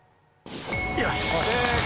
よし！